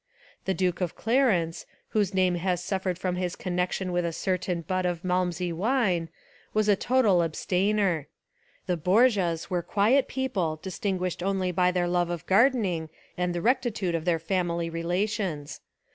The Duke of Clarence, whose name has suffered from his connection with a certain butt of Malmsey wine, was a total ab stainer. The Borgias were quiet people dis tinguished only by their love of gardening and the rectitude of their family relations.